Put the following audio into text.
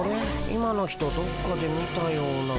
今の人どっかで見たような。